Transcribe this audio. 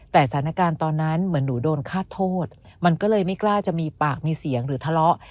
แต่สถานการณ์ตอนนั้นเหมือนหนูโดนฆาตโทษมันก็เลยไม่กล้าจะมีปากมีเสียงหรือทะเลาะ